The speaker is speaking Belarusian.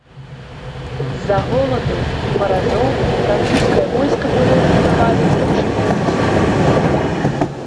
З-за голаду і маразоў французскае войска было неўзабаве вымушанае зысці з горада.